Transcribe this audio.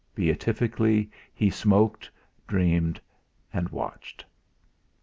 Beatifically he smoked, dreamed, watched.